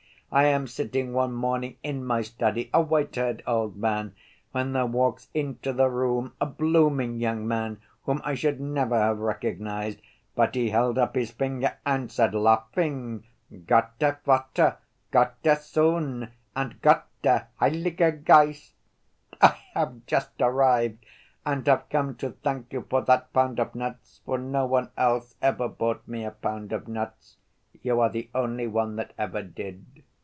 I am sitting one morning in my study, a white‐haired old man, when there walks into the room a blooming young man, whom I should never have recognized, but he held up his finger and said, laughing, 'Gott der Vater, Gott der Sohn, and Gott der heilige Geist. I have just arrived and have come to thank you for that pound of nuts, for no one else ever bought me a pound of nuts; you are the only one that ever did.